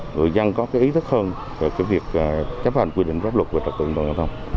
người dân có ý thức hơn về việc chấp hành quy định góp luật về tập trung đỗ giao thông